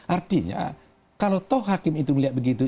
artinya kalau toh hakim itu melihat begitu